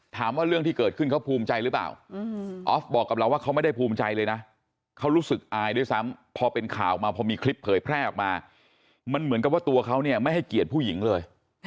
เรื่องที่เกิดขึ้นเขาภูมิใจหรือเปล่าออฟบอกกับเราว่าเขาไม่ได้ภูมิใจเลยนะเขารู้สึกอายด้วยซ้ำพอเป็นข่าวมาพอมีคลิปเผยแพร่ออกมามันเหมือนกับว่าตัวเขาเนี่ยไม่ให้เกียรติผู้หญิงเลย